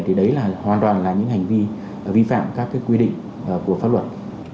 thì đấy là hoàn toàn là những hành vi vi phạm các quy định của pháp luật